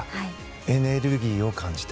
エネルギーを感じた。